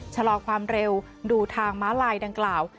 ชะลอความเร็วดูทางม้าลายดังกล่าว